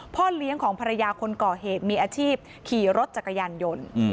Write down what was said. พ่อเลี้ยงของภรรยาคนก่อเหตุมีอาชีพขี่รถจักรยานยนต์